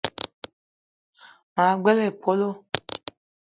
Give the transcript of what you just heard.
Ma gbele épölo